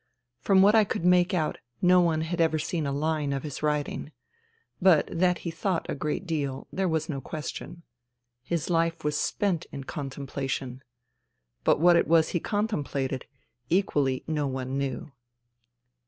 From what I could make out no one had ever seen a line of his writing. But that he thought a great deal there was no question. His life was spent in con templation. But what it was he contemplated, equally no one knew.